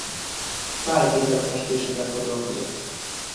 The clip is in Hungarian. Tájképek festésével foglalkozott.